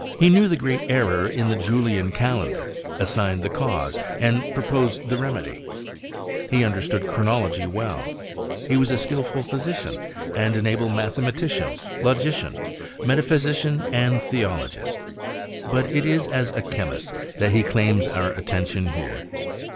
He knew the great error in the Jtilian adendaty assigned the cause, and proposed the remedy^ lie understood chronology well ; he was a skilful phy« lieiauy and an able mathematician, logician, ifieta ^ physician^ and theologist ; but it is as a chemist that le claims our attention here.